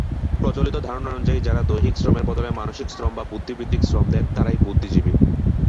প্রচলিত ধারণা অনুযায়ী যারা দৈহিক শ্রমের বদলে মানসিক শ্রম বা বুদ্ধিবৃত্তিক শ্রম দেন তারাই বুদ্ধিজীবী।